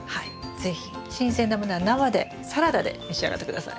是非新鮮なものは生でサラダで召し上がって下さい。